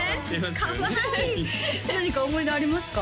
かわいい何か思い出ありますか？